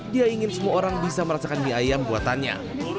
dia ingin semua orang bisa merasakan mie ayam buatannya